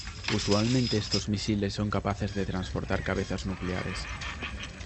Usualmente estos misiles son capaces de transportar cabezas nucleares.